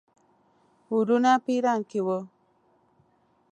وروڼه په ایران کې وه.